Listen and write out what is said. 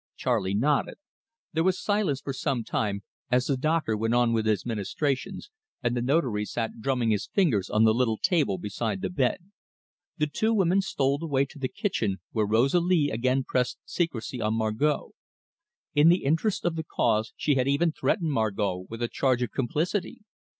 Charley nodded. There was silence for some time, as the doctor went on with his ministrations, and the Notary sat drumming his fingers on the little table beside the bed. The two women stole away to the kitchen, where Rosalie again pressed secrecy on Margot. In the interest of the cause she had even threatened Margot with a charge of complicity.